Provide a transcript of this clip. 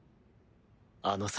あのさ。